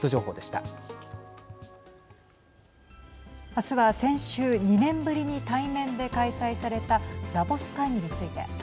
あすは、先週２年ぶりに対面で開催されたダボス会議について。